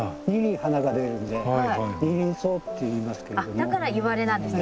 あっだからいわれなんですね